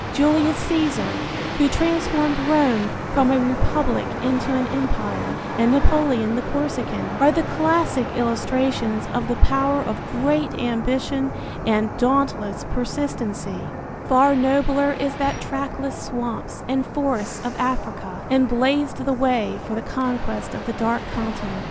Julius Caesar, who transformed Rome from a republic into an empire, and Napoleon the Corsican, are the classic illustrations of the power of great ambition and dauntless persistency. Far nobler is that quiet, courageous perseverance which led Livingston through the trackless swamps and forests of Africa and blazed the way for the conquest of the dark continent.